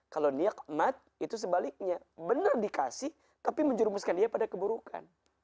kalau nikmat itu sebaliknya benar dikasih tapi menjerumuskan dia pada keburukan